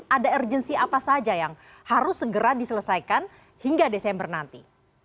ada urgensi apa saja yang harus segera diselesaikan hingga desember nanti